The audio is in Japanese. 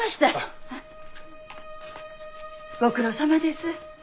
ご苦労さまです。